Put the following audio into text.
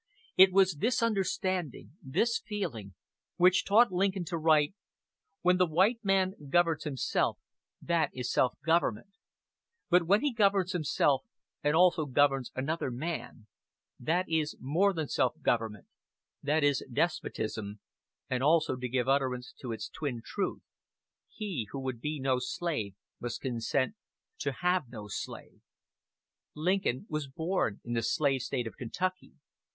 It was this understanding, this feeling, which taught Lincoln to write: "When the white man governs himself, that is self government; but when he governs himself and also governs another man, that is more than self government that is despotism;" and also to give utterance to its twin truth: "He who would be no slave must consent to have no slave." Lincoln was born in the slave State of Kentucky.